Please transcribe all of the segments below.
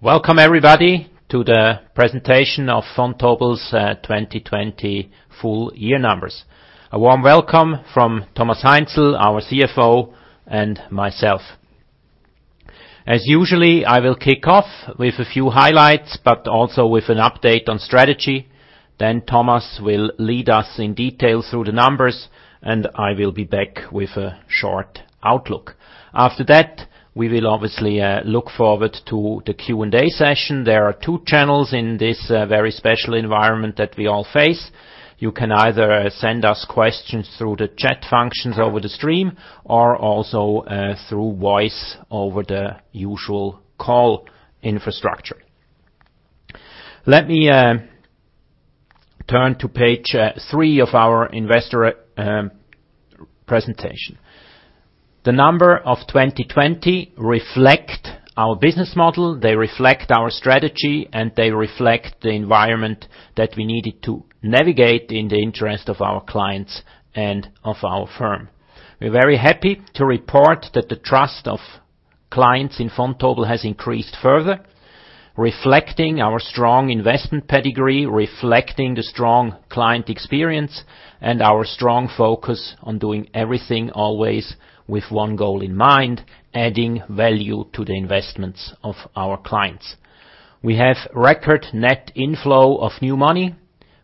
Welcome everybody to the presentation of Vontobel's 2020 full year numbers. A warm welcome from Thomas Heinzl, our CFO, and myself. As usually, I will kick off with a few highlights, also with an update on strategy. Thomas will lead us in detail through the numbers. I will be back with a short outlook. After that, we will obviously look forward to the Q&A session. There are two channels in this very special environment that we all face. You can either send us questions through the chat functions over the stream, or also through voice over the usual call infrastructure. Let me turn to page three of our investor presentation. The number of 2020 reflect our business model, they reflect our strategy, they reflect the environment that we needed to navigate in the interest of our clients and of our firm. We're very happy to report that the trust of clients in Vontobel has increased further, reflecting our strong investment pedigree, reflecting the strong client experience, and our strong focus on doing everything always with one goal in mind, adding value to the investments of our clients. We have record net inflow of new money,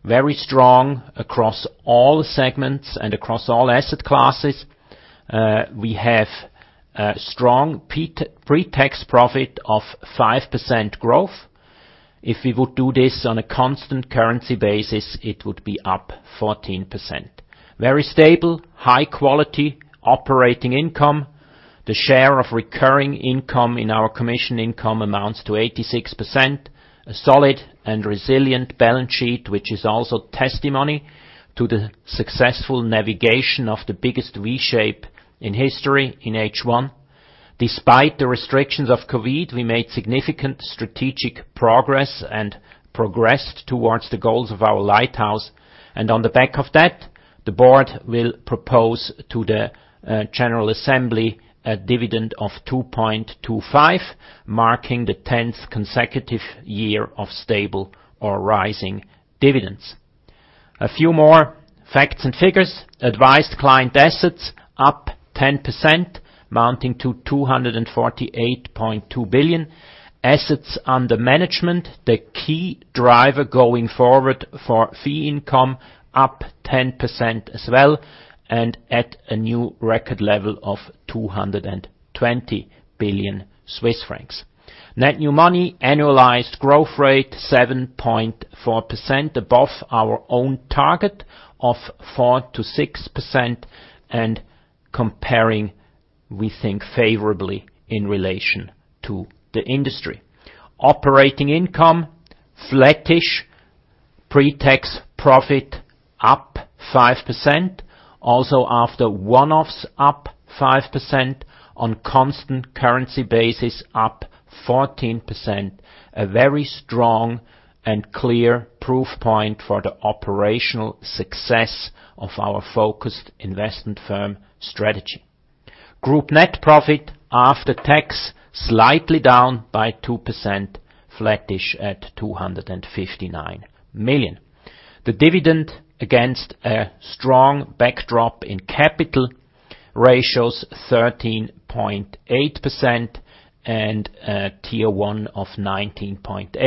very strong across all segments and across all asset classes. We have a strong pre-tax profit of 5% growth. If we would do this on a constant currency basis, it would be up 14%. Very stable, high quality operating income. The share of recurring income in our commission income amounts to 86%, a solid and resilient balance sheet, which is also testimony to the successful navigation of the biggest V-shape in history in H1. Despite the restrictions of COVID, we made significant strategic progress and progressed towards the goals of our lighthouse. On the back of that, the Board will propose to the General Assembly a dividend of 2.25, marking the 10th consecutive year of stable or rising dividends. A few more facts and figures. Advised client assets up 10%, mounting to 248.2 billion. Assets under management, the key driver going forward for fee income, up 10% as well, and at a new record level of 220 billion Swiss francs. Net new money, annualized growth rate 7.4% above our own target of 4%-6%, and comparing, we think, favorably in relation to the industry. Operating income, flattish. Pre-tax profit up 5%, also after one-offs up 5%, on constant currency basis up 14%, a very strong and clear proof point for the operational success of our focused investment firm strategy. Group net profit after tax slightly down by 2%, flattish at 259 million. The dividend against a strong backdrop in capital ratios 13.8% and a Tier 1 of 19.8%,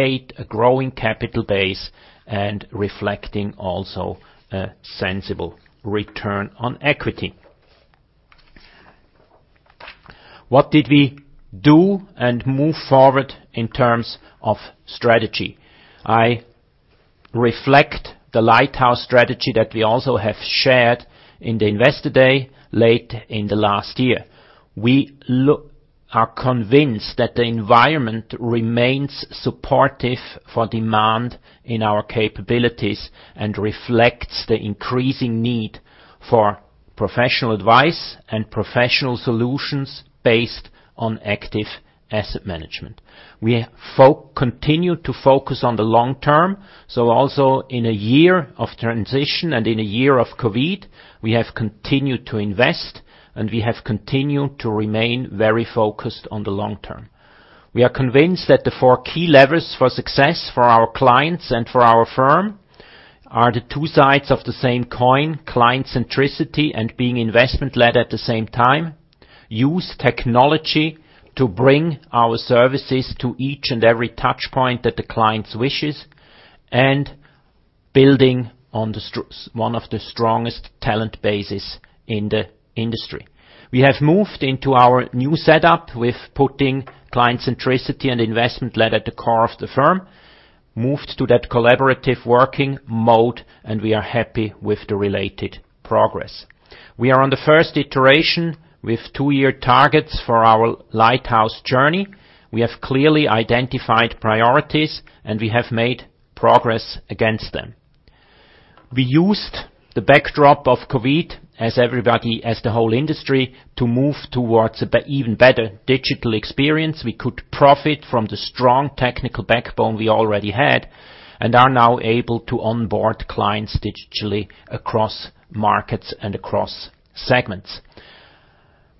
a growing capital base and reflecting also a sensible return on equity. What did we do and move forward in terms of strategy? I reflect the lighthouse strategy that we also have shared in the investor day late in the last year. We are convinced that the environment remains supportive for demand in our capabilities and reflects the increasing need for professional advice and professional solutions based on active asset management. We continue to focus on the long term, so also in a year of transition and in a year of COVID, we have continued to invest, and we have continued to remain very focused on the long term. We are convinced that the four key levers for success for our clients and for our firm are the two sides of the same coin, client centricity and being investment-led at the same time, use technology to bring our services to each and every touch point that the clients' wishes, and building on one of the strongest talent bases in the industry. We have moved into our new setup with putting client centricity and investment-led at the core of the firm, moved to that collaborative working mode, and we are happy with the related progress. We are on the first iteration with two-year targets for our lighthouse journey. We have clearly identified priorities, and we have made progress against them. We used the backdrop of COVID as everybody, as the whole industry, to move towards even better digital experience. We could profit from the strong technical backbone we already had and are now able to onboard clients digitally across markets and across segments.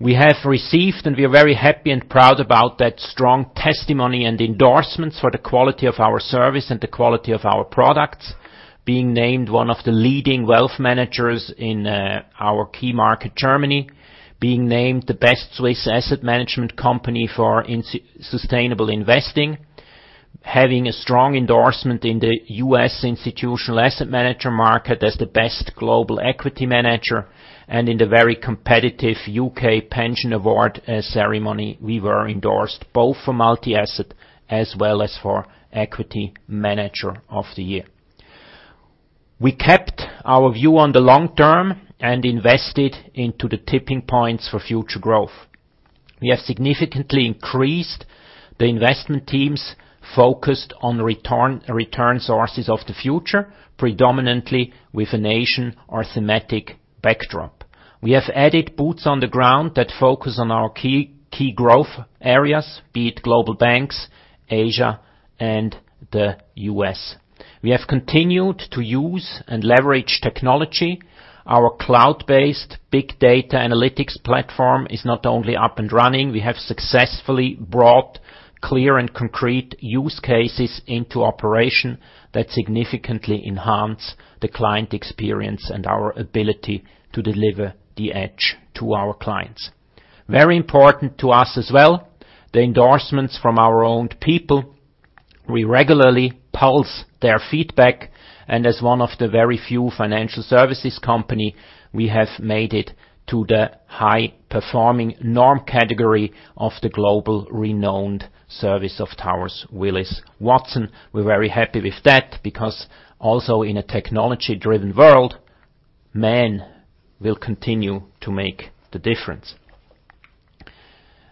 We have received, and we are very happy and proud about that strong testimony and endorsements for the quality of our service and the quality of our products, being named one of the leading wealth managers in our key market, Germany, being named the Best Swiss Asset Management Company for sustainable investing, having a strong endorsement in the U.S. institutional asset manager market as the Best Global Equity Manager, and in the very competitive UK Pensions Awards ceremony, we were endorsed both for Multi-Asset as well as for Equity Manager of the Year. We kept our view on the long term and invested into the tipping points for future growth. We have significantly increased the investment teams focused on return sources of the future, predominantly with a nation or thematic backdrop. We have added boots on the ground that focus on our key growth areas, be it global banks, Asia, and the U.S. We have continued to use and leverage technology. Our cloud-based big data analytics platform is not only up and running, we have successfully brought clear and concrete use cases into operation that significantly enhance the client experience and our ability to deliver the edge to our clients. Very important to us as well, the endorsements from our own people. We regularly pulse their feedback, and as one of the very few financial services company, we have made it to the high-performing norm category of the global renowned service of Towers Willis Watson. We're very happy with that because also in a technology-driven world, man will continue to make the difference.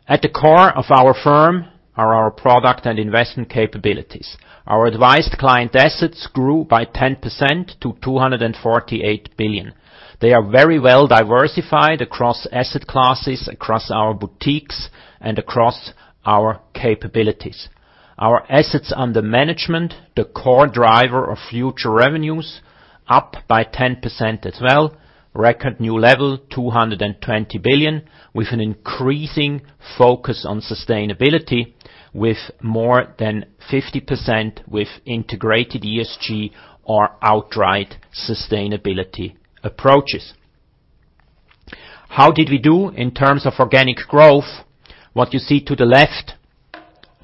At the core of our firm are our product and investment capabilities. Our advised client assets grew by 10% to 248 billion. They are very well diversified across asset classes, across our boutiques, and across our capabilities. Our assets under management, the core driver of future revenues, up by 10% as well. Record new level, 220 billion, with an increasing focus on sustainability with more than 50% with integrated ESG or outright sustainability approaches. How did we do in terms of organic growth? What you see to the left,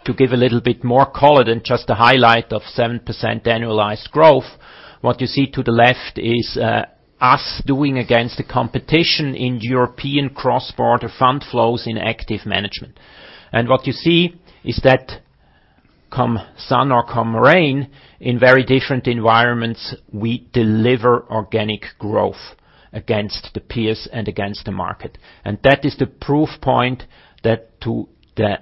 to give a little bit more color than just the highlight of 7% annualized growth, what you see to the left is us doing against the competition in European cross-border fund flows in active management. What you see is that come sun or come rain, in very different environments, we deliver organic growth against the peers and against the market. That is the proof point that to the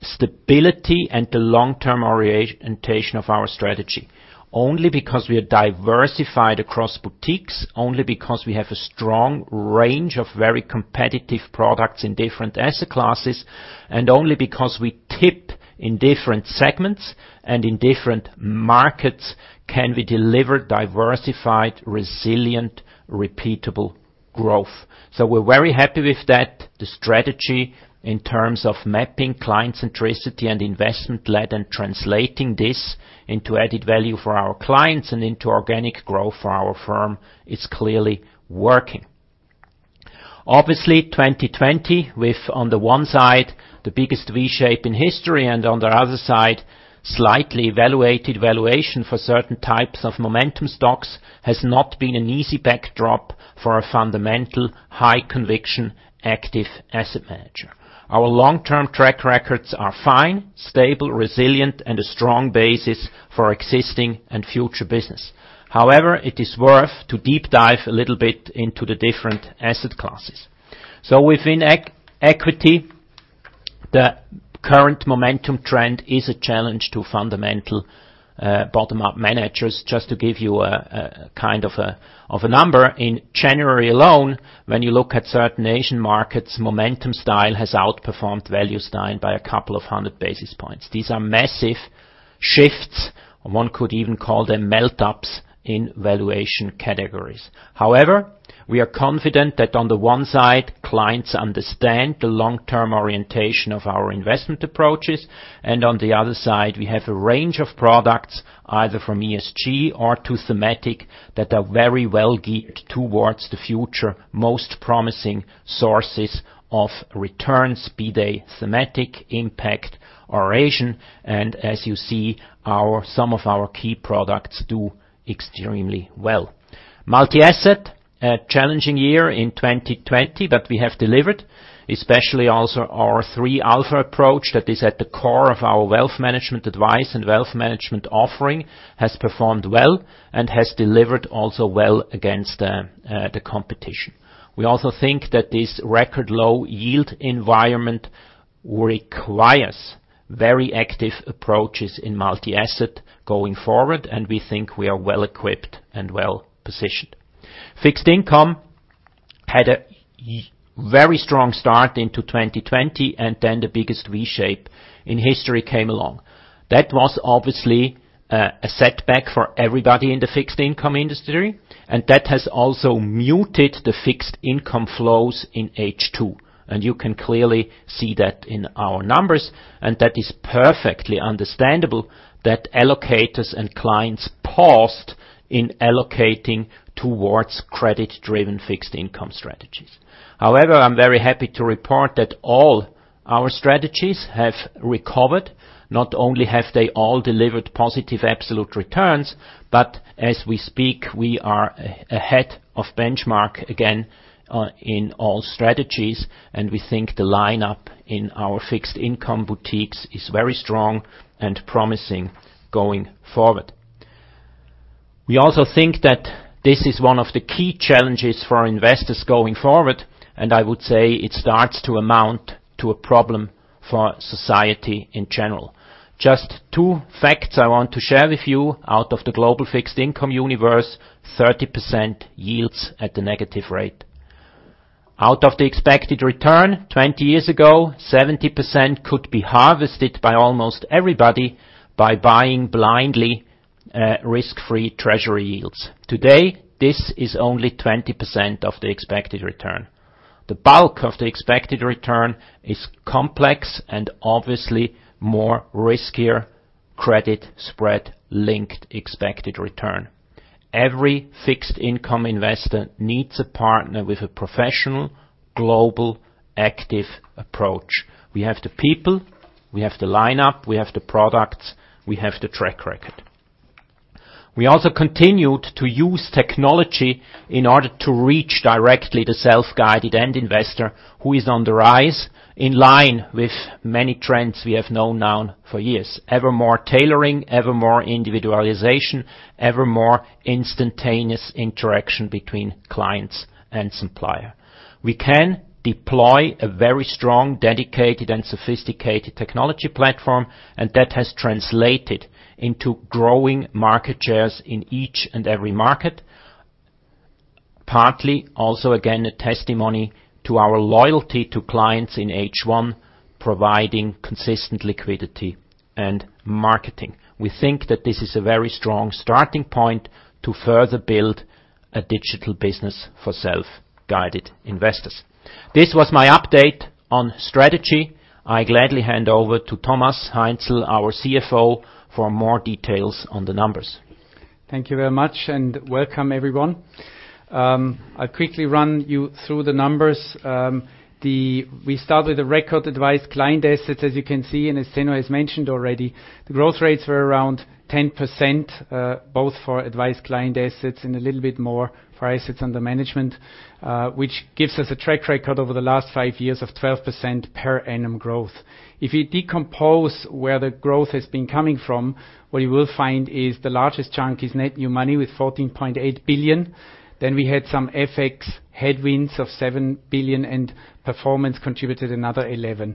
stability and the long-term orientation of our strategy. Only because we are diversified across boutiques, only because we have a strong range of very competitive products in different asset classes, and only because we tip in different segments and in different markets can we deliver diversified, resilient, repeatable growth. We're very happy with that. The strategy in terms of mapping client centricity and investment-led and translating this into added value for our clients and into organic growth for our firm is clearly working. Obviously, 2020, with on the one side, the biggest V-shape in history, and on the other side, slightly evaluated valuation for certain types of momentum stocks, has not been an easy backdrop for a fundamental, high-conviction active asset manager. Our long-term track records are fine, stable, resilient, and a strong basis for existing and future business. However, it is worth to deep dive a little bit into the different asset classes. Within equity, the current momentum trend is a challenge to fundamental bottom-up managers. Just to give you a kind of a number, in January alone, when you look at certain Asian markets, momentum style has outperformed value style by a couple of 100 basis points. These are massive shifts, and one could even call them melt-ups in valuation categories. However, we are confident that on the one side, clients understand the long-term orientation of our investment approaches, and on the other side, we have a range of products, either from ESG or to thematic, that are very well geared towards the future most promising sources of returns, be they thematic, impact, or Asian. As you see, some of our key products do extremely well. Multi-asset, a challenging year in 2020, but we have delivered, especially also our three Alpha model approach that is at the core of our Wealth Management advice and Wealth Management offering has performed well and has delivered also well against the competition. We also think that this record low yield environment requires very active approaches in multi-asset going forward, and we think we are well-equipped and well-positioned. Fixed income had a very strong start into 2020, then the biggest V-shape in history came along. That was obviously a setback for everybody in the fixed income industry, and that has also muted the fixed income flows in H2. You can clearly see that in our numbers, and that is perfectly understandable that allocators and clients paused in allocating towards credit-driven fixed income strategies. However, I'm very happy to report that all our strategies have recovered. Not only have they all delivered positive absolute returns, but as we speak, we are ahead of benchmark again in all strategies, and we think the lineup in our fixed income boutiques is very strong and promising going forward. We also think that this is one of the key challenges for our investors going forward, and I would say it starts to amount to a problem for society in general. Just two facts I want to share with you out of the global fixed income universe, 30% yields at the negative rate. Out of the expected return 20 years ago, 70% could be harvested by almost everybody by buying blindly risk-free treasury yields. Today, this is only 20% of the expected return. The bulk of the expected return is complex and obviously more riskier credit spread-linked expected return. Every fixed income investor needs a partner with a professional, global, active approach. We have the people, we have the lineup, we have the products, we have the track record. We also continued to use technology in order to reach directly the self-guided end investor who is on the rise, in line with many trends we have known now for years. Ever more tailoring, ever more individualization, ever more instantaneous interaction between clients and supplier. We can deploy a very strong, dedicated, and sophisticated technology platform, and that has translated into growing market shares in each and every market. Partly also, again, a testimony to our loyalty to clients in H1, providing consistent liquidity and marketing. We think that this is a very strong starting point to further build a digital business for self-guided investors. This was my update on strategy. I gladly hand over to Thomas Heinzl, our CFO, for more details on the numbers. Thank you very much, and welcome everyone. I'll quickly run you through the numbers. We start with the record advised client assets, as you can see, and as Zeno has mentioned already. The growth rates were around 10%, both for advised client assets and a little bit more for assets under management, which gives us a track record over the last five years of 12% per annum growth. If you decompose where the growth has been coming from, what you will find is the largest chunk is net new money with 14.8 billion. We had some FX headwinds of 7 billion and performance contributed another 11 billion.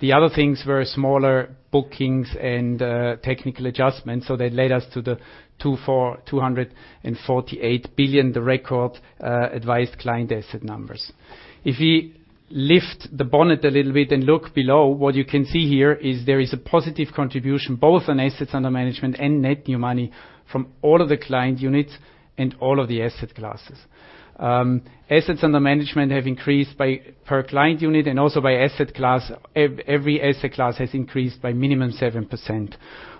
The other things were smaller bookings and technical adjustments. They led us to the 248 billion, the record advised client asset numbers. If we lift the bonnet a little bit and look below, what you can see here is there is a positive contribution both on assets under management and net new money from all of the client units and all of the asset classes. Assets under management have increased by per client unit and also by asset class. Every asset class has increased by minimum 7%.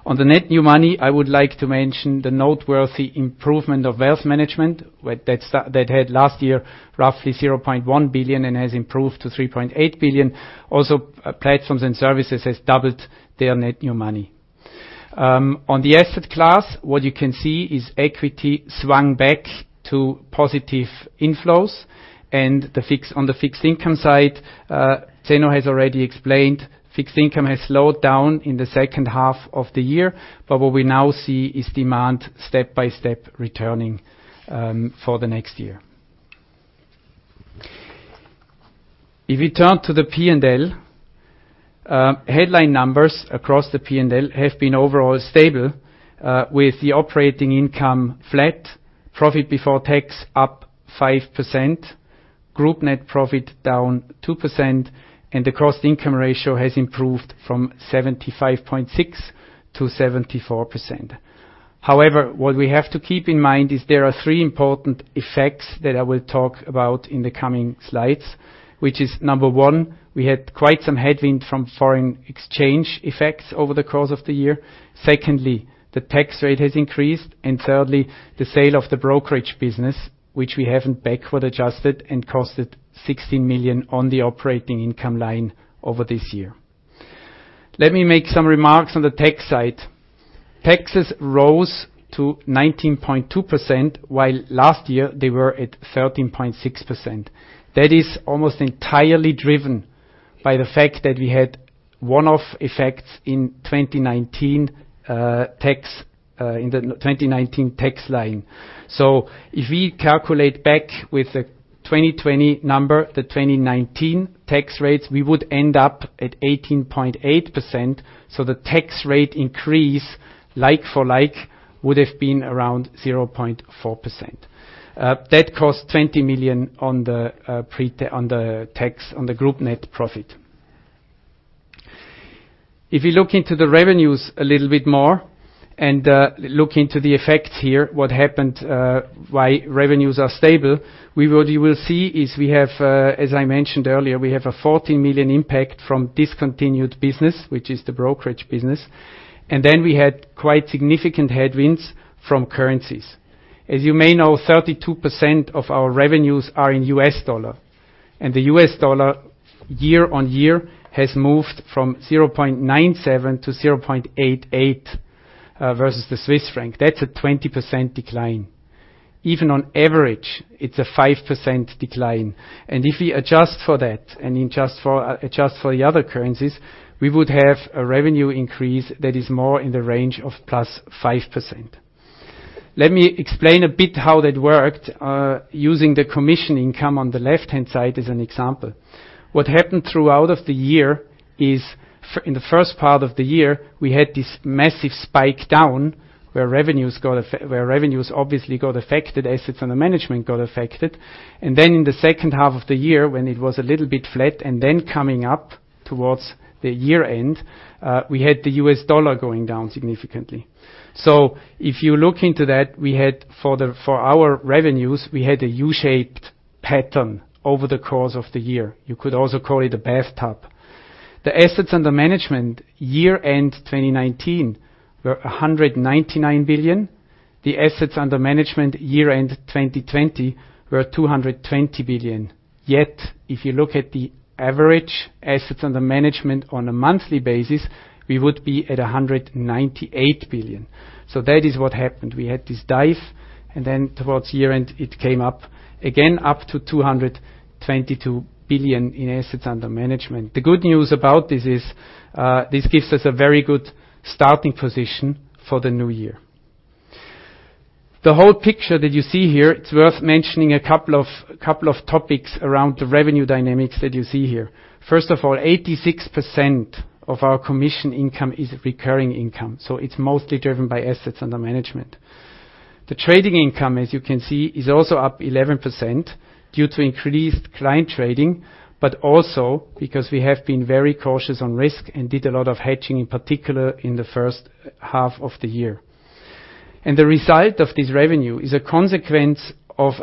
On the net new money, I would like to mention the noteworthy improvement of Wealth Management. That had last year roughly 0.1 billion and has improved to 3.8 billion. Platforms and Services has doubled their net new money. On the asset class, what you can see is equity swung back to positive inflows and on the fixed income side, Zeno has already explained, fixed income has slowed down in the second half of the year. What we now see is demand step by step returning for the next year. If we turn to the P&L, headline numbers across the P&L have been overall stable, with the operating income flat, profit before tax up 5%, group net profit down 2%, and the cost income ratio has improved from 75.6% to 74%. What we have to keep in mind is there are three important effects that I will talk about in the coming slides, which is, number one, we had quite some headwind from foreign exchange effects over the course of the year. Secondly, the tax rate has increased. Thirdly, the sale of the brokerage business, which we haven't backward adjusted and costed 16 million on the operating income line over this year. Let me make some remarks on the tax side. Taxes rose to 19.2%, while last year they were at 13.6%. That is almost entirely driven by the fact that we had one-off effects in the 2019 tax line. If we calculate back with the 2020 number, the 2019 tax rates, we would end up at 18.8%. The tax rate increase like-for-like would have been around 0.4%. That cost 20 million on the group net profit. If you look into the revenues a little bit more and look into the effects here, what happened, why revenues are stable, what you will see is, as I mentioned earlier, we have a 40 million impact from discontinued business, which is the brokerage business, and then we had quite significant headwinds from currencies. As you may know, 32% of our revenues are in U.S. dollar, and the U.S. dollar year-on-year has moved from 0.97 to 0.88 versus the Swiss franc. That's a 20% decline. Even on average, it's a 5% decline. If we adjust for that and adjust for the other currencies, we would have a revenue increase that is more in the range of +5%. Let me explain a bit how that worked, using the commission income on the left-hand side as an example. What happened throughout of the year is, in the first part of the year, we had this massive spike down where revenues obviously got affected, assets under management got affected. Then in the second half of the year, when it was a little bit flat and then coming up towards the year-end, we had the U.S. dollar going down significantly. If you look into that, for our revenues, we had a U-shaped pattern over the course of the year. You could also call it a bathtub. The assets under management year-end 2019 were 199 billion. The assets under management year-end 2020 were 220 billion. If you look at the average assets under management on a monthly basis, we would be at 198 billion. That is what happened. We had this dive, towards year-end, it came up again up to 222 billion in assets under management. The good news about this is, this gives us a very good starting position for the new year. The whole picture that you see here, it's worth mentioning a couple of topics around the revenue dynamics that you see here. First of all, 86% of our commission income is recurring income, it's mostly driven by assets under management. The trading income, as you can see, is also up 11% due to increased client trading, but also because we have been very cautious on risk and did a lot of hedging, in particular in the first half of the year. The result of this revenue is a consequence of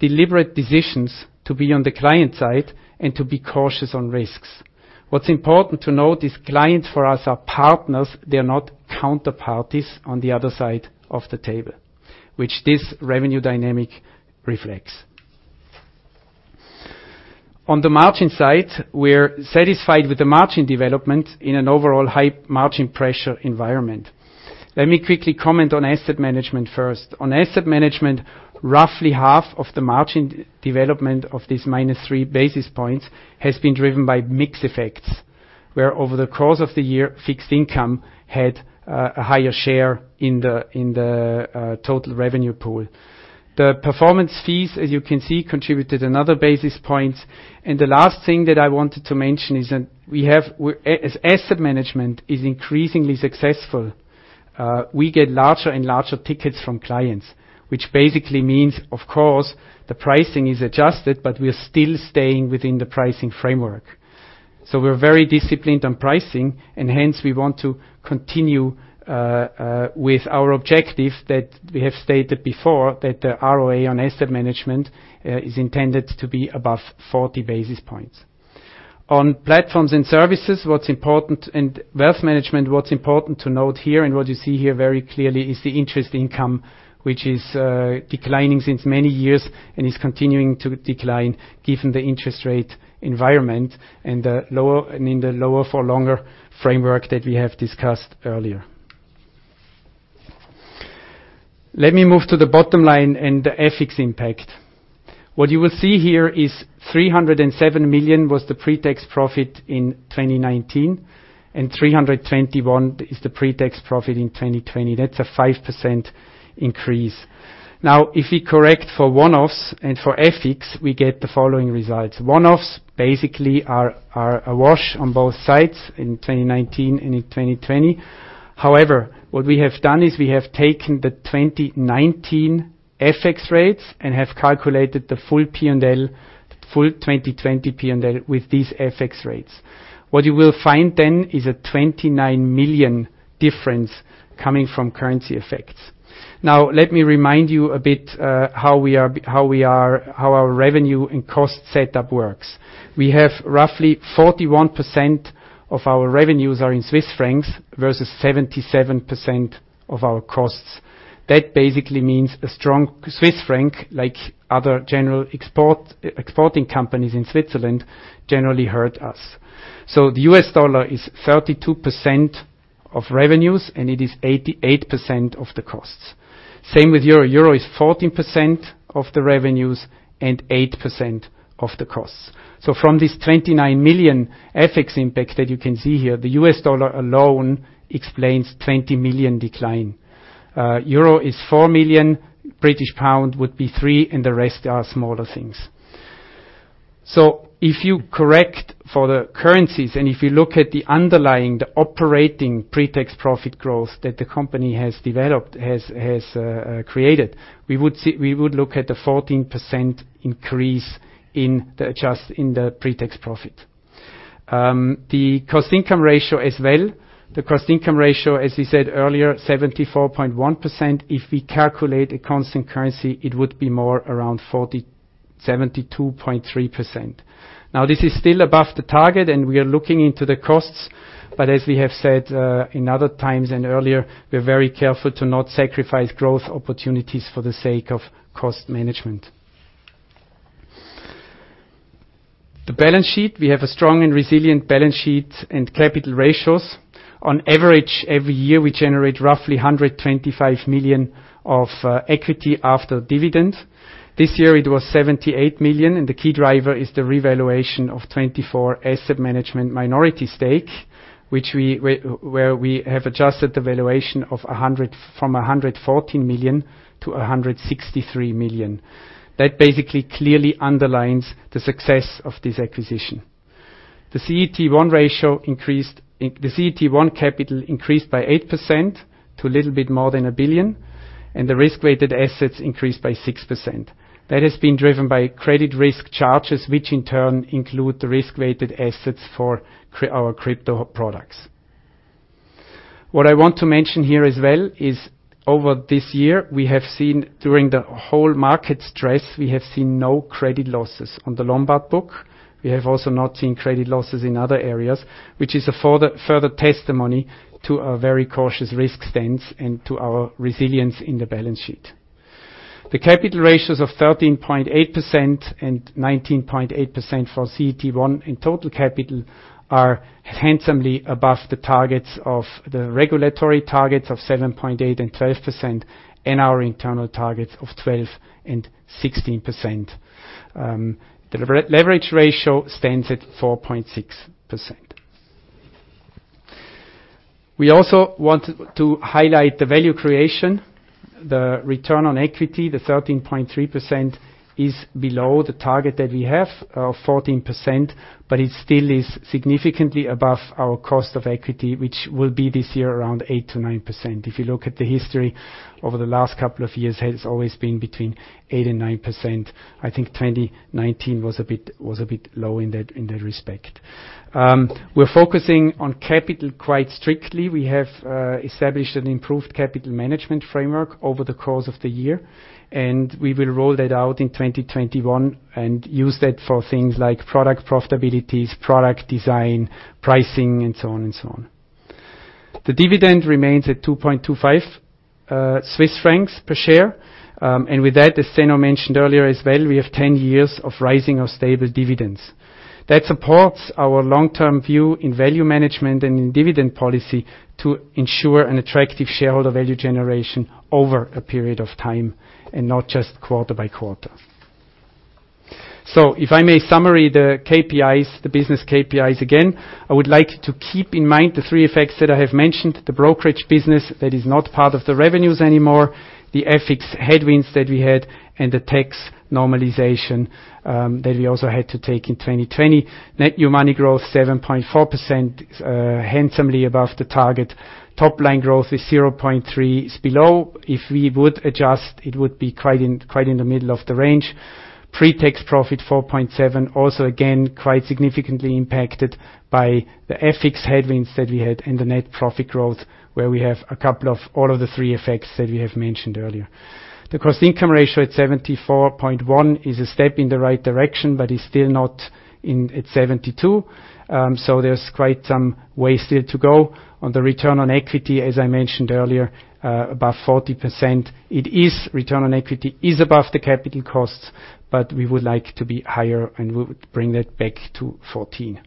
deliberate decisions to be on the client side and to be cautious on risks. What's important to note is clients for us are partners. They're not counterparties on the other side of the table, which this revenue dynamic reflects. On the margin side, we're satisfied with the margin development in an overall high margin pressure environment. Let me quickly comment on Asset Management first. On Asset Management, roughly half of the margin development of this minus three basis points has been driven by mix effects, where over the course of the year, fixed income had a higher share in the total revenue pool. The performance fees, as you can see, contributed another one basis point. The last thing that I wanted to mention is that as Asset Management is increasingly successful, we get larger and larger tickets from clients, which basically means, of course, the pricing is adjusted, but we are still staying within the pricing framework. We're very disciplined on pricing, and hence we want to continue with our objective that we have stated before, that the ROA on Asset Management is intended to be above 40 basis points. On Platforms and Services, and Wealth Management, what's important to note here and what you see here very clearly is the interest income, which is declining since many years and is continuing to decline given the interest rate environment and in the lower-for-longer framework that we have discussed earlier. Let me move to the bottom line and the FX impact. What you will see here is 307 million was the pre-tax profit in 2019, and 321 million is the pre-tax profit in 2020. That's a 5% increase. If we correct for one-offs and for FX, we get the following results. One-offs basically are a wash on both sides in 2019 and in 2020. What we have done is we have taken the 2019 FX rates and have calculated the full P&L, full 2020 P&L with these FX rates. What you will find is a 29 million difference coming from currency effects. Let me remind you a bit how our revenue and cost setup works. We have roughly 41% of our revenues are in Swiss francs versus 77% of our costs. That basically means a strong Swiss franc, like other general exporting companies in Switzerland, generally hurt us. The U.S. dollar is 32% of revenues, and it is 88% of the costs. Same with euro. Euro is 14% of the revenues and 8% of the costs. From this 29 million FX impact that you can see here, the U.S. dollar alone explains 20 million decline. 4 million euro, 3 million, and the rest are smaller things. If you correct for the currencies, and if you look at the underlying, the operating pre-tax profit growth that the company has developed, has created, we would look at the 14% increase in the pre-tax profit. The cost-income ratio as well. The cost-income ratio, as we said earlier, 74.1%. If we calculate a constant currency, it would be more around 72.3%. This is still above the target, and we are looking into the costs, but as we have said in other times and earlier, we're very careful to not sacrifice growth opportunities for the sake of cost management. The balance sheet, we have a strong and resilient balance sheet and capital ratios. On average, every year, we generate roughly 125 million of equity after dividends. This year it was 78 million, and the key driver is the revaluation of TwentyFour Asset Management minority stake, where we have adjusted the valuation from 114 million to 163 million. That basically clearly underlines the success of this acquisition. The CET1 capital increased by 8% to a little bit more than 1 billion, and the risk-weighted assets increased by 6%. That has been driven by credit risk charges, which in turn include the risk-weighted assets for our crypto products. What I want to mention here as well is over this year, we have seen during the whole market stress, we have seen no credit losses on the Lombard book. We have also not seen credit losses in other areas, which is a further testimony to our very cautious risk stance and to our resilience in the balance sheet. The capital ratios of 13.8% and 19.8% for CET1 and total capital are handsomely above the targets of the regulatory targets of 7.8% and 12%, and our internal targets of 12% and 16%. The leverage ratio stands at 4.6%. We also want to highlight the value creation, the return on equity. The 13.3% is below the target that we have of 14%, but it still is significantly above our cost of equity, which will be this year around 8%-9%. If you look at the history over the last couple of years, it has always been between 8% and 9%. I think 2019 was a bit low in that respect. We're focusing on capital quite strictly. We have established an improved capital management framework over the course of the year, we will roll that out in 2021 and use that for things like product profitabilities, product design, pricing, and so on and so on. The dividend remains at 2.25 Swiss francs/share. With that, as Zeno mentioned earlier as well, we have 10 years of rising our stable dividends. That supports our long-term view in value management and in dividend policy to ensure an attractive shareholder value generation over a period of time, and not just quarter by quarter. If I may summarize the business KPIs again, I would like to keep in mind the three effects that I have mentioned, the brokerage business that is not part of the revenues anymore, the FX headwinds that we had, and the tax normalization that we also had to take in 2020. Net new money growth, 7.4%, handsomely above the target. Top line growth is 0.3% is below. If we would adjust, it would be quite in the middle of the range. Pre-tax profit 4.7%, also again, quite significantly impacted by the FX headwinds that we had and the net profit growth, where we have a couple of all of the three effects that we have mentioned earlier. The cost-income ratio at 74.1% is a step in the right direction. Is still not at 72%, there's quite some way still to go. On the return on equity, as I mentioned earlier, above 40%. Return on equity is above the capital costs. We would like to be higher. We would bring that back to 14%.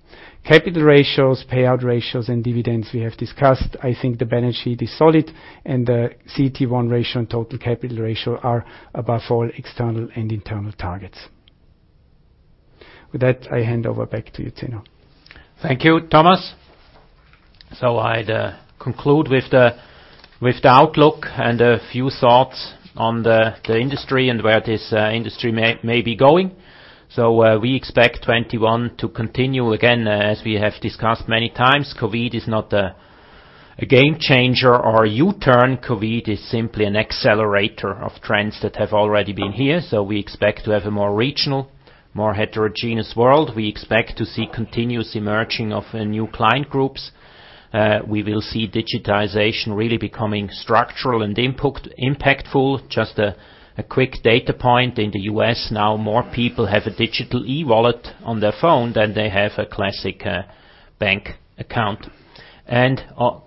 Capital ratios, payout ratios, and dividends we have discussed. I think the balance sheet is solid, and the CET1 ratio and total capital ratio are above all external and internal targets. With that, I hand over back to you, Zeno. Thank you, Thomas. I'd conclude with the outlook and a few thoughts on the industry and where this industry may be going. We expect 2021 to continue again, as we have discussed many times. COVID is not a game changer or a U-turn. COVID is simply an accelerator of trends that have already been here. We expect to have a more regional, more heterogeneous world. We expect to see continuous emerging of new client groups. We will see digitization really becoming structural and impactful. Just a quick data point. In the U.S. now, more people have a digital e-wallet on their phone than they have a classic bank account.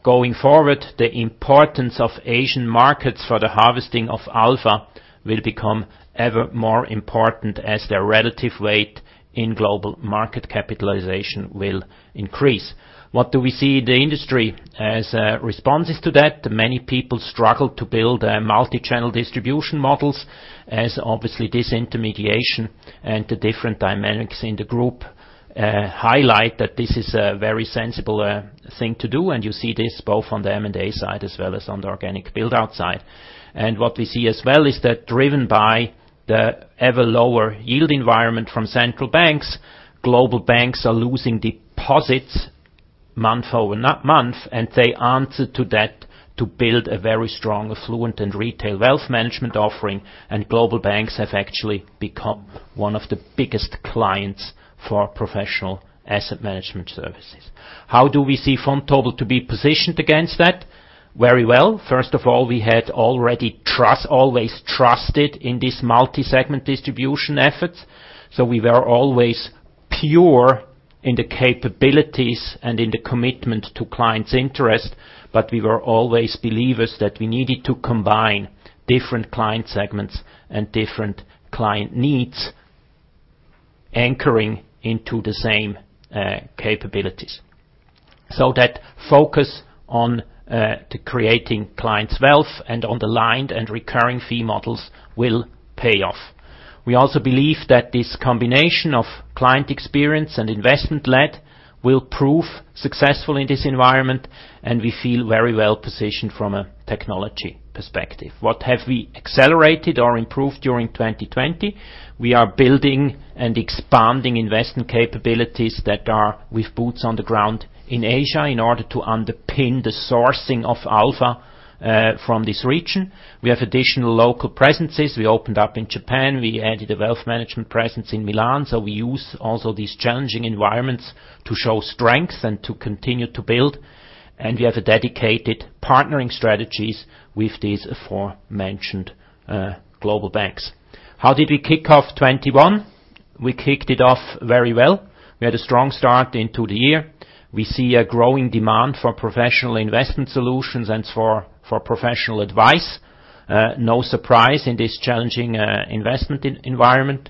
Going forward, the importance of Asian markets for the harvesting of Alpha will become ever more important as their relative weight in global market capitalization will increase. What do we see the industry as responses to that? Many people struggle to build multi-channel distribution models as obviously disintermediation and the different dynamics in the group highlight that this is a very sensible thing to do, and you see this both on the M&A side as well as on the organic build-out side. What we see as well is that driven by the ever lower yield environment from central banks, global banks are losing deposits month-over-month, and they answer to that to build a very strong affluent and retail wealth management offering, and global banks have actually become one of the biggest clients for professional asset management services. How do we see Vontobel to be positioned against that? Very well. First of all, we had already always trusted in this multi-segment distribution efforts. We were always pure in the capabilities and in the commitment to clients' interest, but we were always believers that we needed to combine different client segments and different client needs, anchoring into the same capabilities. That focus on creating clients' wealth and on the lined and recurring fee models will pay off. We also believe that this combination of client experience and investment-led will prove successful in this environment, and we feel very well positioned from a technology perspective. What have we accelerated or improved during 2020? We are building and expanding investment capabilities that are with boots on the ground in Asia in order to underpin the sourcing of Alpha from this region. We have additional local presences. We opened up in Japan. We added a Wealth Management presence in Milan. We use also these challenging environments to show strength and to continue to build, we have a dedicated partnering strategies with these aforementioned global banks. How did we kick off 2021? We kicked it off very well. We had a strong start into the year. We see a growing demand for professional investment solutions and for professional advice. No surprise in this challenging investment environment.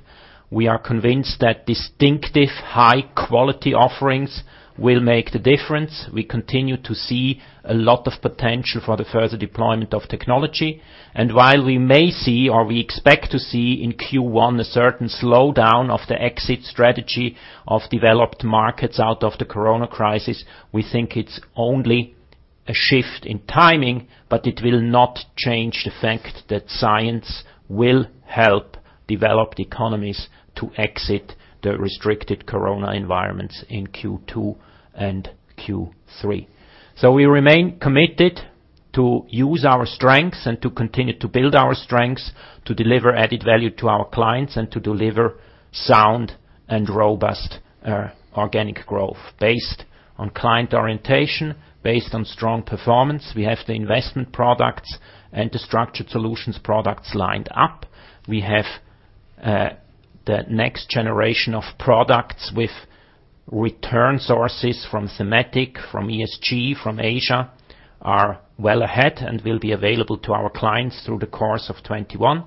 We are convinced that distinctive, high-quality offerings will make the difference. We continue to see a lot of potential for the further deployment of technology. While we may see, or we expect to see in Q1, a certain slowdown of the exit strategy of developed markets out of the corona crisis, we think it's only a shift in timing, but it will not change the fact that science will help developed economies to exit the restricted corona environments in Q2 and Q3. We remain committed to use our strengths and to continue to build our strengths, to deliver added value to our clients, and to deliver sound and robust organic growth based on client orientation, based on strong performance. We have the investment products and the structured solutions products lined up. We have the next generation of products with return sources from thematic, from ESG, from Asia, are well ahead and will be available to our clients through the course of 2021.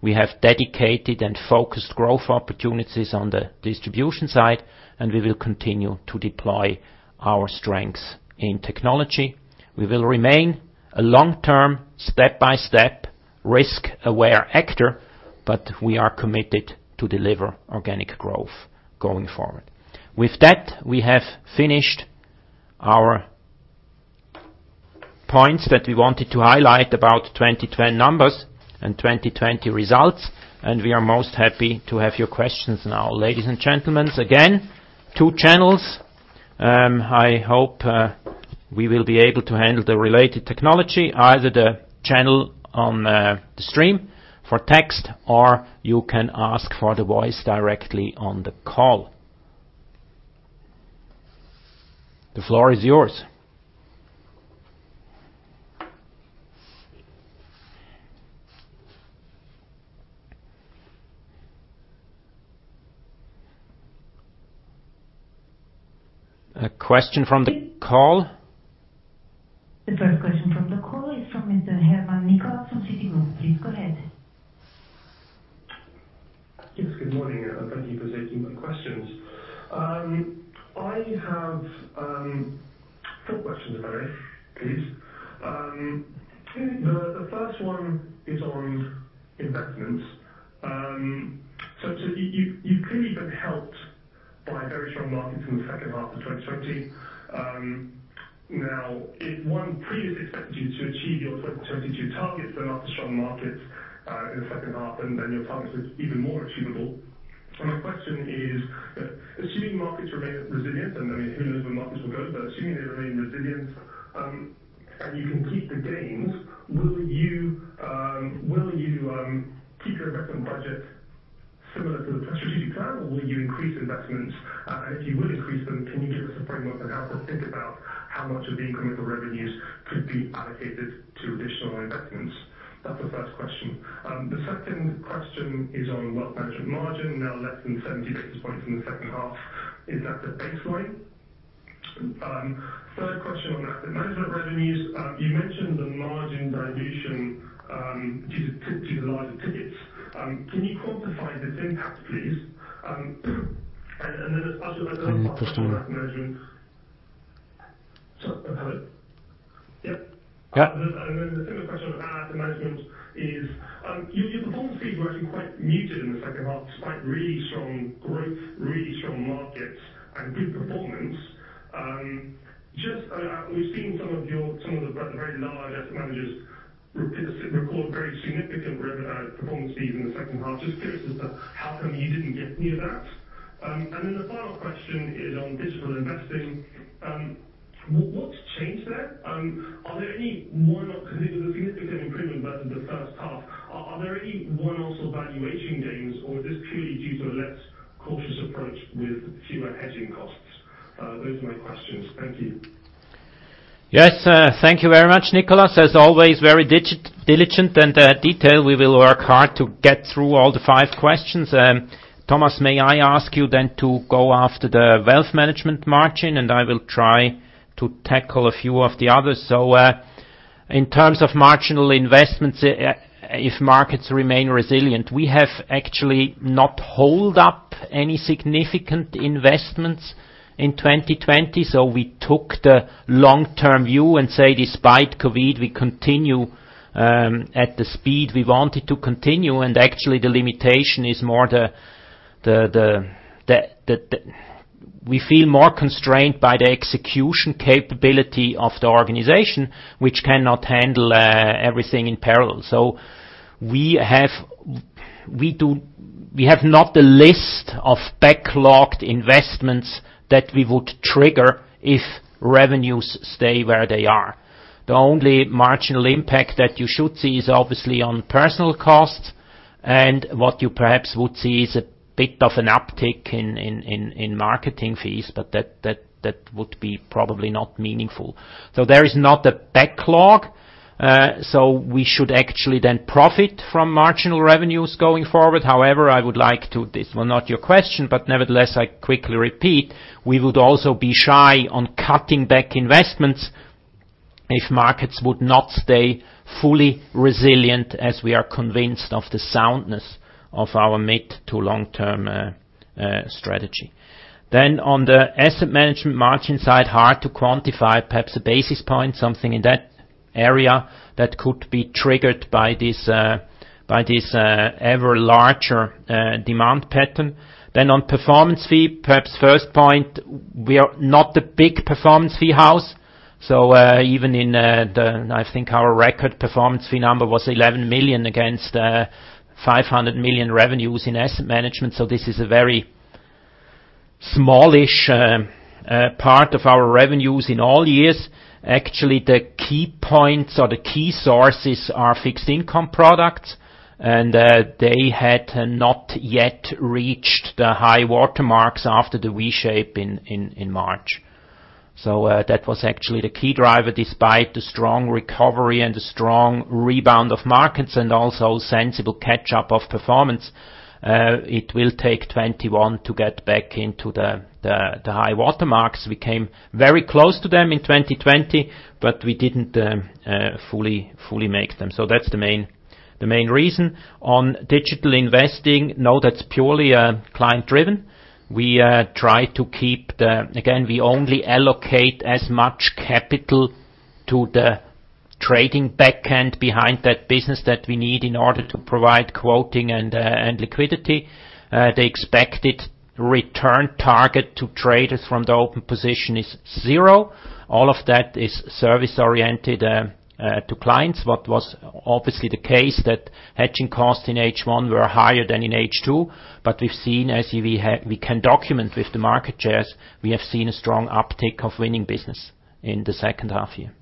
We have dedicated and focused growth opportunities on the distribution side, and we will continue to deploy our strengths in technology. We will remain a long-term, step-by-step, risk-aware actor, but we are committed to deliver organic growth going forward. With that, we have finished our points that we wanted to highlight about 2020 numbers and 2020 results, and we are most happy to have your questions now. Ladies and gentlemen, again, two channels. I hope we will be able to handle the related technology, either the channel on the stream for text, or you can ask for the voice directly on the call. The floor is yours. A question from the call? The first question from the call is from Mr. Herman Nicholas from Citigroup. Please go ahead. Yes, good morning, and thank you for taking my questions. I have two questions, if I may, please. The first one is on investments. You've clearly been helped by very strong markets in the second half of 2020. Now, if one previously expected you to achieve your 2022 targets, then after strong markets in the second half, then your targets is even more achievable. My question is, assuming markets remain resilient, and who knows where markets will go, but assuming they remain resilient, and you can keep the gains, will you keep your investment budget similar to the strategic plan, or will you increase investments? If you will increase them, can you give us a framework that helps us think about how much of the incremental revenues could be allocated to additional investments? That's the first question. The second question is on Wealth Management margin, now less than 70 basis points in the second half. Is that the baseline? Third question on Asset Management revenues. You mentioned the margin dilution due to larger tickets. Can you quantify this impact, please? Sure. I have it. Yep. Yeah. The second question I have to management is, your performance fees were actually quite muted in the second half, despite really strong growth, really strong markets and good performance. We've seen some of the very large asset managers record very significant performance fees in the second half. Just curious as to how come you didn't get any of that. The final question is on digital investing. What's changed there? There was a significant improvement versus the first half. Are there any one-off valuation gains, or is this purely due to a less cautious approach with fewer hedging costs? Those are my questions. Thank you. Yes. Thank you very much, Nicholas. As always, very diligent and detailed. We will work hard to get through all the five questions. Thomas, may I ask you then to go after the Wealth Management margin, and I will try to tackle a few of the others. In terms of marginal investments, if markets remain resilient, we have actually not hold up any significant investments in 2020. We took the long-term view and say, despite COVID, we continue, at the speed we wanted to continue. Actually, the limitation is more We feel more constrained by the execution capability of the organization, which cannot handle everything in parallel. We have not the list of backlogged investments that we would trigger if revenues stay where they are. The only marginal impact that you should see is obviously on personal costs. What you perhaps would see is a bit of an uptick in marketing fees, but that would be probably not meaningful. There is not a backlog. We should actually then profit from marginal revenues going forward. I would like to, this was not your question, but nevertheless, I quickly repeat, we would also be shy on cutting back investments if markets would not stay fully resilient as we are convinced of the soundness of our mid to long-term strategy. On the Asset Management margin side, hard to quantify. Perhaps a basis point, something in that area that could be triggered by this ever larger demand pattern. On performance fee, perhaps first point, we are not a big performance fee house. Even in the, I think our record performance fee number was 11 million against 500 million revenues in Asset Management. This is a very smallish part of our revenues in all years. Actually, the key points or the key sources are fixed income products, and they had not yet reached the high water marks after the V-shape in March. That was actually the key driver, despite the strong recovery and the strong rebound of markets and also sensible catch-up of performance. It will take 2021 to get back into the high water marks. We came very close to them in 2020, but we didn't fully make them. That's the main reason. On digital investing, no, that's purely client driven. Again, we only allocate as much capital to the trading back end behind that business that we need in order to provide quoting and liquidity. The expected return target to traders from the open position is zero. All of that is service-oriented to clients. What was obviously the case that hedging costs in H1 were higher than in H2, but we've seen, as we can document with the market shares, we have seen a strong uptick of winning business in the second half year.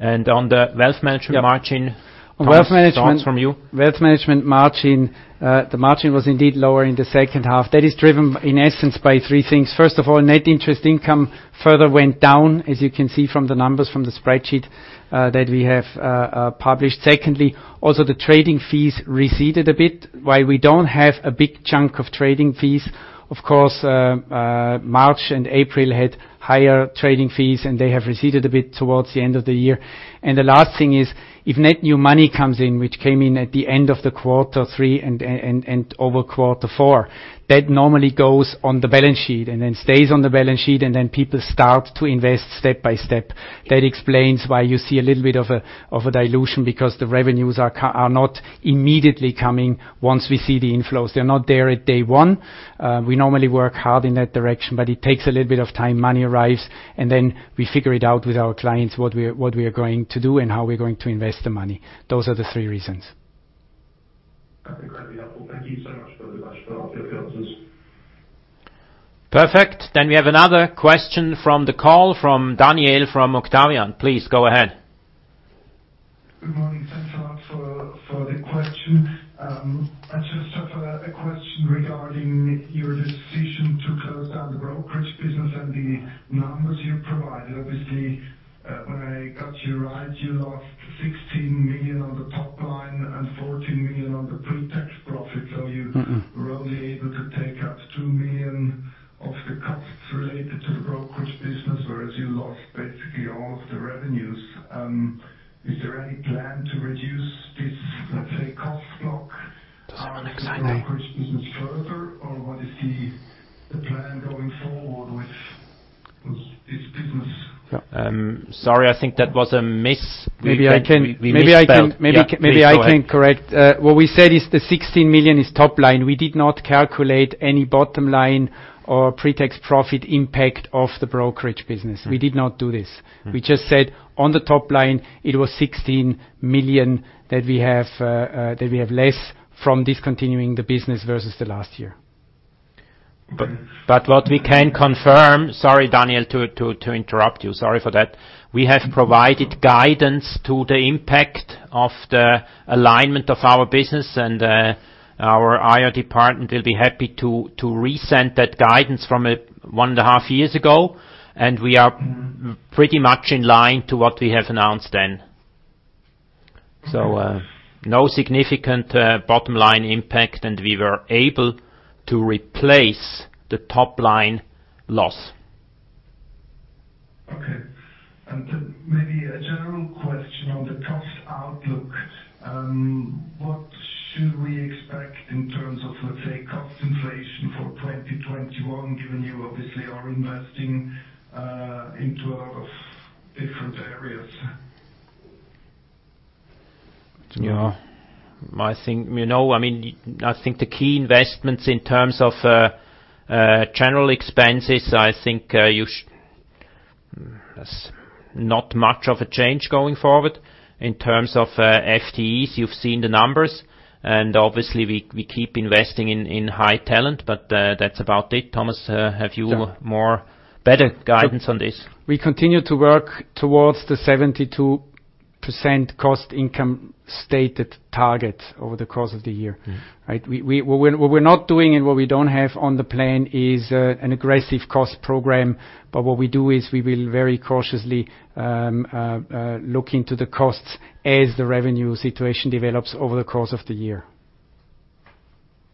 On the Wealth Management margin, Thomas, thoughts from you? Wealth Management margin. The margin was indeed lower in the second half. That is driven, in essence, by three things. First of all, net interest income further went down, as you can see from the numbers from the spreadsheet that we have published. Secondly, also the trading fees receded a bit. While we don't have a big chunk of trading fees, of course, March and April had higher trading fees, and they have receded a bit towards the end of the year. The last thing is, if net new money comes in, which came in at the end of the quarter three and over quarter four, that normally goes on the balance sheet and then stays on the balance sheet, and then people start to invest step by step. That explains why you see a little bit of a dilution because the revenues are not immediately coming once we see the inflows. They're not there at day one. We normally work hard in that direction, but it takes a little bit of time. Money arrives, and then we figure it out with our clients, what we are going to do and how we're going to invest the money. Those are the three reasons. Perfect. We have another question from the call from Daniel from Octavian. Please go ahead. Good morning. Thanks a lot for the question. I just have a question regarding your decision to close down the brokerage business and the numbers you provided. Obviously, if I got you right, you lost 16 million on the top line and 14 million on the pre-tax profit. You were only able to take up 2 million of the costs related to the brokerage business, whereas you lost basically all of the revenues. Is there any plan to reduce this, let's say, cost block, brokerage business further, or what is the plan going forward with this business? Sorry, I think that was a miss. Maybe I can correct. What we said is the 16 million is top line. We did not calculate any bottom line or pre-tax profit impact of the brokerage business. We did not do this. We just said on the top line, it was 16 million that we have less from discontinuing the business versus the last year. Sorry, Daniel, to interrupt you. Sorry for that. We have provided guidance to the impact of the alignment of our business. Our IR department will be happy to resend that guidance from 1.5 years ago. We are pretty much in line to what we have announced then. No significant bottom line impact, and we were able to replace the top-line loss. Okay. Maybe a general question on the cost outlook. What should we expect in terms of, let's say, cost inflation for 2021, given you obviously are investing into a lot of different areas? I think the key investments in terms of general expenses, I think there's not much of a change going forward. In terms of FTEs, you've seen the numbers, and obviously, we keep investing in high talent, but that's about it. Thomas, have you more better guidance on this? We continue to work towards the 72% cost income stated target over the course of the year. Right? What we're not doing and what we don't have on the plan is an aggressive cost program. What we do is we will very cautiously look into the costs as the revenue situation develops over the course of the year.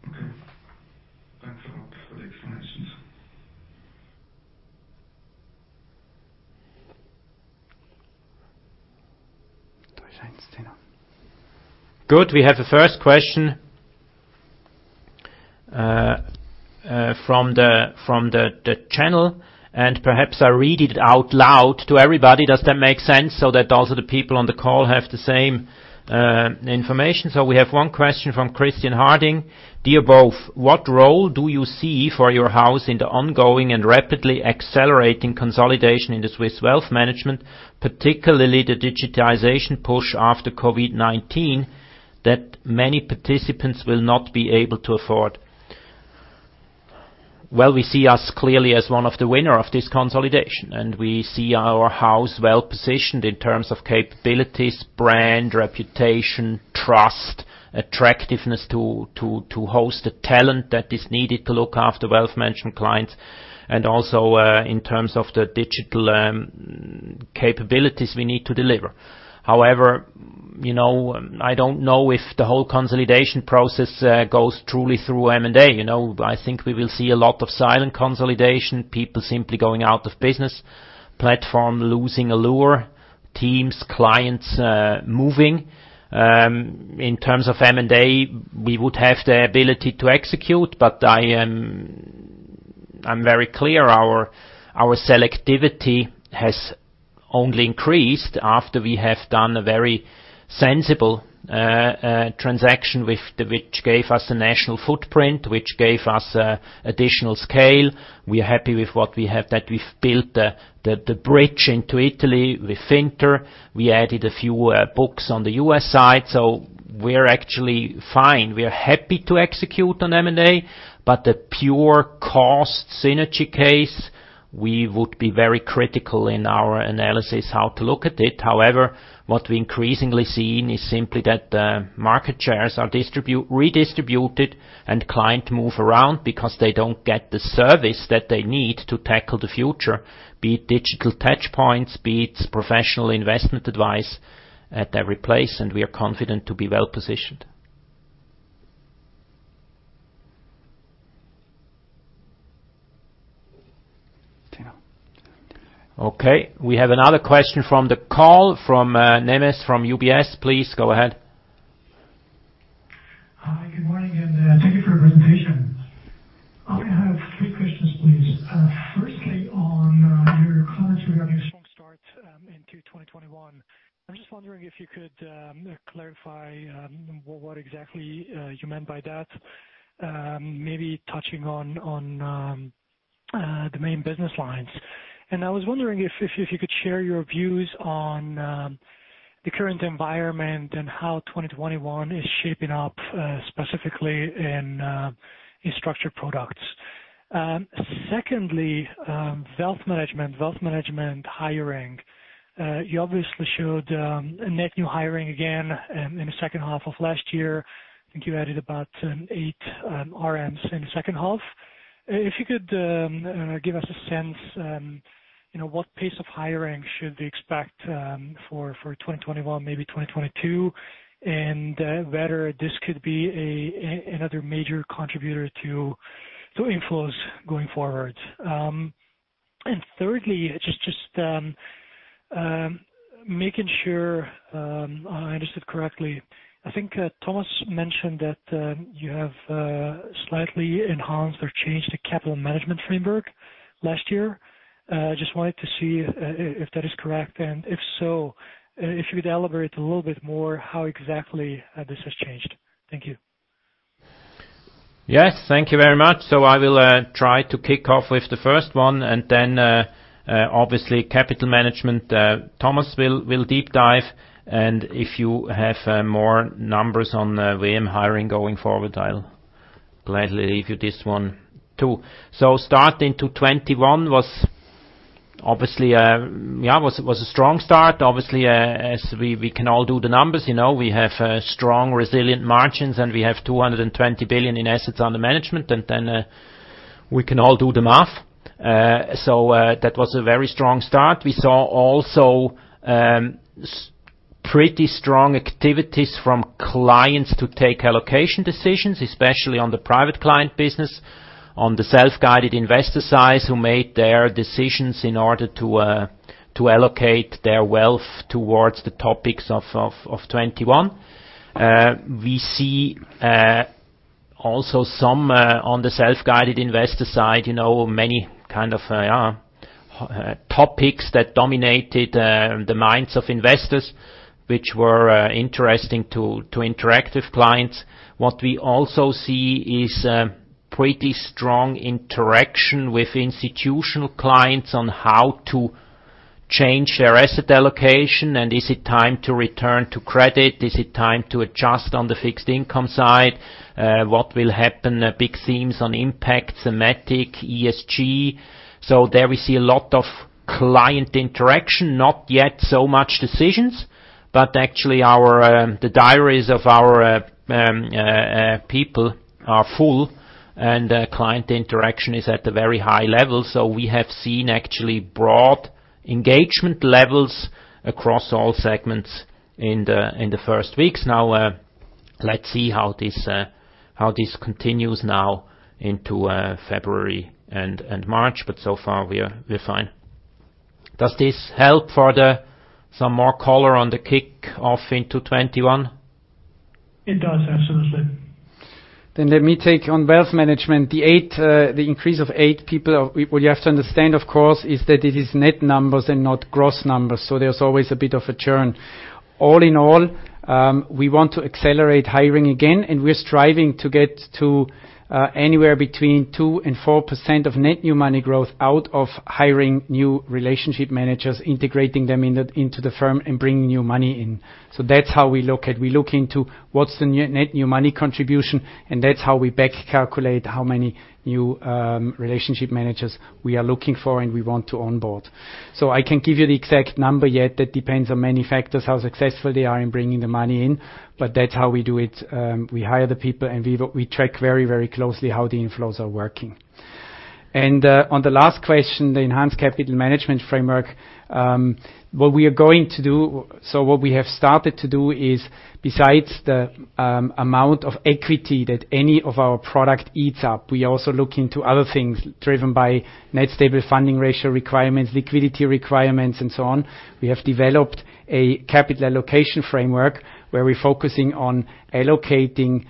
Okay. Thanks a lot for the explanations. Good. We have the first question from the channel, and perhaps I'll read it out loud to everybody. Does that make sense? That also the people on the call have the same information. We have one question from Christian Harding. "Dear both, what role do you see for your house in the ongoing and rapidly accelerating consolidation in the Swiss Wealth Management, particularly the digitization push after COVID-19, that many participants will not be able to afford?" Well, we see us clearly as one of the winner of this consolidation, and we see our house well-positioned in terms of capabilities, brand, reputation, trust, attractiveness to host the talent that is needed to look after Wealth Management clients, and also, in terms of the digital capabilities we need to deliver. However, I don't know if the whole consolidation process goes truly through M&A. I think we will see a lot of silent consolidation, people simply going out of business, platform losing allure, teams, clients moving. In terms of M&A, we would have the ability to execute, but I'm very clear, our selectivity has only increased after we have done a very sensible transaction which gave us a national footprint, which gave us additional scale. We are happy with what we have, that we've built the bridge into Italy with Finter. We added a few books on the U.S. side, so we're actually fine. We are happy to execute on M&A, but the pure cost synergy case, we would be very critical in our analysis how to look at it. However, what we're increasingly seeing is simply that the market shares are redistributed and client move around because they don't get the service that they need to tackle the future. Be it digital touch points, be it professional investment advice at every place, and we are confident to be well-positioned. Okay. We have another question from the call from Nemes, from UBS. Please go ahead. Hi, good morning, and thank you for your presentation. I have three questions, please. Firstly, on your comments regarding a strong start into 2021. I'm just wondering if you could clarify what exactly you meant by that, maybe touching on the main business lines. I was wondering if you could share your views on the current environment and how 2021 is shaping up, specifically in structured products. Secondly, Wealth Management hiring. You obviously showed net new hiring again in the second half of last year. I think you added about eight RMs in the second half. If you could give us a sense, what pace of hiring should we expect for 2021, maybe 2022? Whether this could be another major contributor to inflows going forward. Thirdly, just making sure I understood correctly. I think Thomas mentioned that you have slightly enhanced or changed the capital management framework last year. Just wanted to see if that is correct, and if so, if you could elaborate a little bit more how exactly this has changed. Thank you. Yes, thank you very much. I will try to kick off with the first one and then, obviously, capital management, Thomas will deep dive. If you have more numbers on [WM] hiring going forward, I'll gladly leave you this one, too. Start into 2021 was a strong start. Obviously, as we can all do the numbers. We have strong, resilient margins, and we have 220 billion in assets under management, and then we can all do the math. That was a very strong start. We saw also pretty strong activities from clients to take allocation decisions, especially on the private client business, on the self-guided investor side, who made their decisions in order to allocate their wealth towards the topics of 2021. We see also some, on the self-guided investor side, many kind of topics that dominated the minds of investors, which were interesting to interactive clients. What we also see is pretty strong interaction with institutional clients on how to change their asset allocation. Is it time to return to credit? Is it time to adjust on the fixed income side? What will happen? Big themes on impact, thematic, ESG. There we see a lot of client interaction. Not yet so much decisions, but actually the diaries of our people are full and client interaction is at a very high level. We have seen actually broad engagement levels across all segments in the first weeks. Now, let's see how this continues now into February and March. So far we're fine. Does this help further some more color on the kick-off into 2021? It does, absolutely. Let me take on Wealth Management. The increase of eight people. What you have to understand, of course, is that it is net numbers and not gross numbers, there's always a bit of a churn. All in all, we want to accelerate hiring again, and we're striving to get to anywhere between 2% and 4% of net new money growth out of hiring new relationship managers, integrating them into the firm, and bringing new money in. That's how we look at. We look into what's the net new money contribution, and that's how we back calculate how many new relationship managers we are looking for and we want to onboard. I can't give you the exact number yet. That depends on many factors, how successful they are in bringing the money in. That's how we do it. We hire the people and we track very closely how the inflows are working. On the last question, the enhanced capital management framework. What we have started to do is, besides the amount of equity that any of our product eats up, we also look into other things driven by Net Stable Funding Ratio requirements, liquidity requirements, and so on. We have developed a capital allocation framework where we're focusing on allocating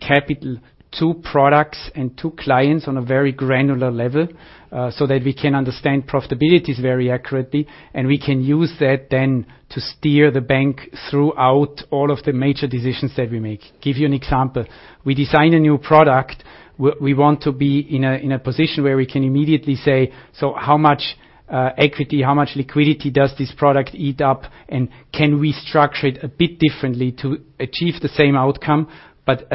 capital to products and to clients on a very granular level so that we can understand profitabilities very accurately, and we can use that then to steer the bank throughout all of the major decisions that we make. Give you an example. We design a new product. We want to be in a position where we can immediately say, "How much equity, how much liquidity does this product eat up? Can we structure it a bit differently to achieve the same outcome but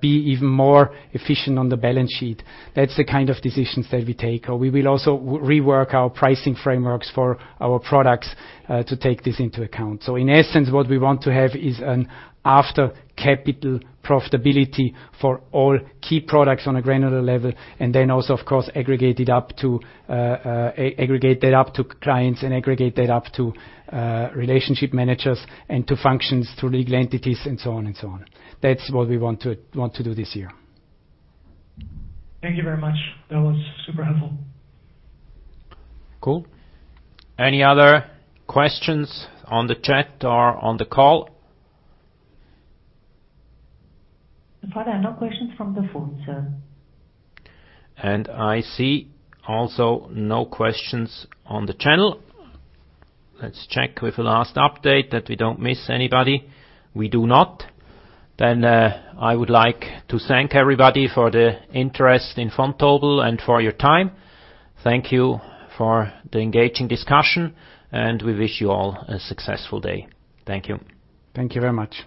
be even more efficient on the balance sheet?" That's the kind of decisions that we take, or we will also rework our pricing frameworks for our products to take this into account. In essence, what we want to have is an after capital profitability for all key products on a granular level. Then also, of course, aggregate that up to clients and aggregate that up to relationship managers and to functions, to legal entities, and so on. That's what we want to do this year. Thank you very much. That was super helpful. Cool. Any other questions on the chat or on the call? So far, there are no questions from the phone, sir. I see also no questions on the channel. Let's check with the last update that we don't miss anybody. We do not. I would like to thank everybody for the interest in Vontobel and for your time. Thank you for the engaging discussion, and we wish you all a successful day. Thank you. Thank you very much.